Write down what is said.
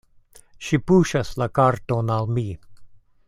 Ŝi puŝas la karton al mi.